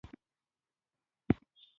• د مور دعا زوی ته بریا ورکوي.